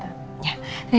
kita liat nanti aja lah tante